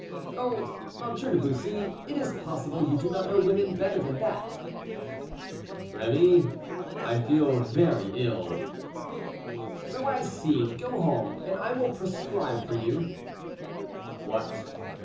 "Oh, M. de Bussy, is it possible you do not know women better than that!" "Rémy, I feel very ill." "So I see. Go home, and I will prescribe for you." "What?"